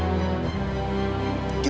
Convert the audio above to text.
apa yang kamu lakukan